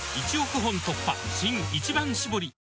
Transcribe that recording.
「一番搾り」